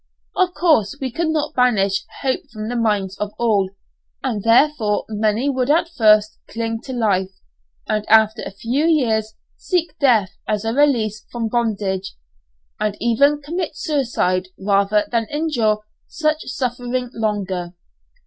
Of course we could not banish hope from the minds of all, and therefore many would at first cling to life, and after a few years seek death as a release from bondage, and even commit suicide rather than endure such suffering longer.